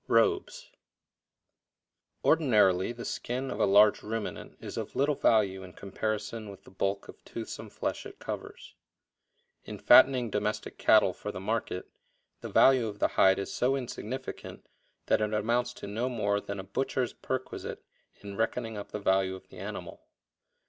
Robes. Ordinarily the skin of a large ruminant is of little value in comparison with the bulk of toothsome flesh it covers. In fattening domestic cattle for the market, the value of the hide is so insignificant that it amounts to no more than a butcher's perquisite in reckoning up the value of the animal.